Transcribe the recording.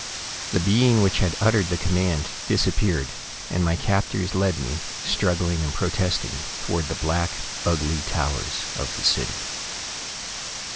The being which had uttered the command disappeared, and my captors led me, struggling and protesting, toward the black, ugly towers of the city.